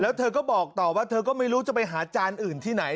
แล้วเธอก็บอกต่อว่าเธอก็ไม่รู้จะไปหาจานอื่นที่ไหน